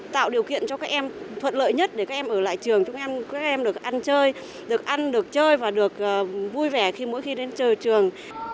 tạo điều kiện cho các em thuận lợi nhất để các em ở lại trường chúng em các em được ăn chơi được ăn được chơi và được vui vẻ khi mỗi khi đến trường